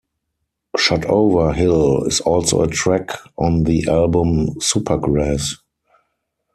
"Shotover Hill" is also a track on the album "Supergrass".